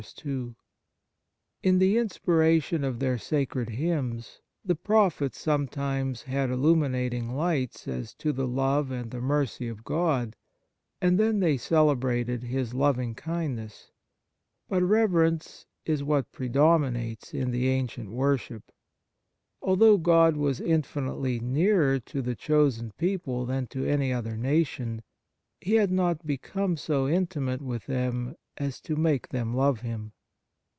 "* In the inspiration of their sacred hymns, the prophets sometimes had illuminating light as to the love and the mercy of God, and then they celebrated His loving kind ness ; but reverence is what pre dominates in the ancient worship. Although God was infinitely nearer to the chosen people than to any other nation, He had not become so inti mate with them as to make them love Him.